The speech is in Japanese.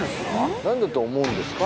「何だと思うんですか？」